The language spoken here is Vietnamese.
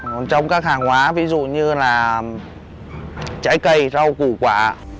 còn trong các hàng hóa ví dụ như là trái cây rau củ quả